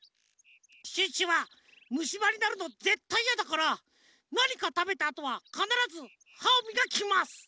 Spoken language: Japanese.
シュッシュはむしばになるのぜったいやだからなにかたべたあとはかならずはをみがきます。